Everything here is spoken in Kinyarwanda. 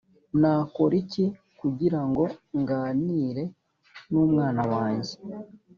nakora iki kugira ngo nganire n umwana wanjye